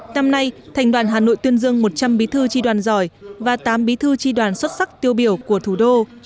năm nay thành đoàn hà nội tuyên dương một trăm linh bí thư tri đoàn giỏi và tám bí thư tri đoàn xuất sắc tiêu biểu của thủ đô